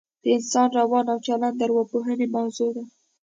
د انسان روان او چلن د اوراپوهنې موضوع ده